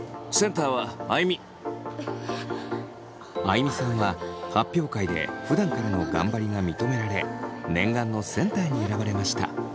あいみさんは発表会でふだんからの頑張りが認められ念願のセンターに選ばれました。